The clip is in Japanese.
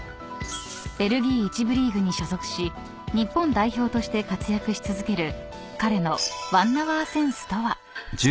［ベルギー１部リーグに所属し日本代表として活躍し続ける彼の］